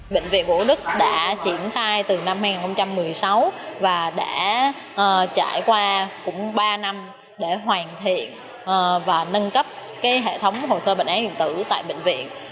bệnh viện hữu đức đã triển khai từ năm hai nghìn một mươi sáu và đã trải qua cũng ba năm để hoàn thiện và nâng cấp hệ thống hồ sơ bệnh án điện tử tại bệnh viện